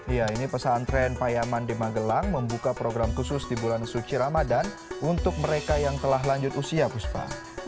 iya ini pesantren payaman di magelang membuka program khusus di bulan suci ramadan untuk mereka yang telah lanjut usia puspa